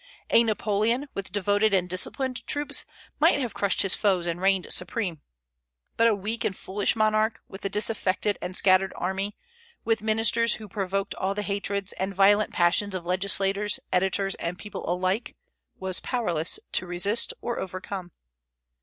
A Napoleon, with devoted and disciplined troops, might have crushed his foes and reigned supreme; but a weak and foolish monarch, with a disaffected and scattered army, with ministers who provoked all the hatreds and violent passions of legislators, editors, and people alike, was powerless to resist or overcome.